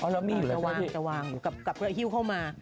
แล้วมีอยู่หรือไงพี่ตะวางอยู่กับกระหิ้วเข้ามา